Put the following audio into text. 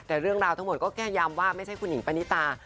แต่เรื่องราวทั้งหมดก็แค่ย้ำว่าไม่ใช่คุณหญิงปณิตา